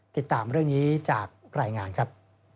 ติดตามเรื่องนี้จากรายงานครับ